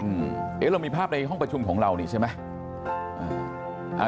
เอ๊ะเรามีภาพในห้องประชุมของเรานี่ใช่ไหม